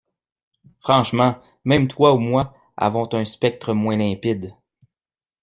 Franchement, même toi ou moi avons un spectre moins limpide.